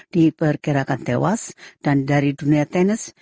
diperkirakan tewas dan dari dunia tenis